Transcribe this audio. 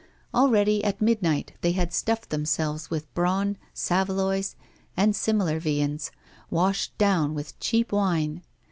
Already, at midnight, they had stuffed themselves with brawn, saveloys, and similar viands, washed down with cheap wine.